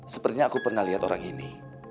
sepertinya aku pernah lihat orang ini